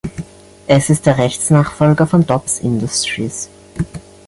Es ist der Rechtsnachfolger von Dobbs Industries.